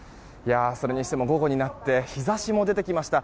それにしても午後になって日差しも出てきました。